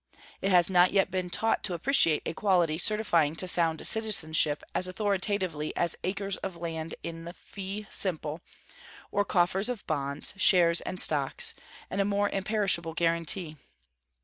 It has not yet been taught to appreciate a quality certifying to sound citizenship as authoritatively as acres of land in fee simple, or coffers of bonds, shares and stocks, and a more imperishable guarantee.